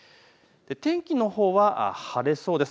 天気のほうは晴れそうです。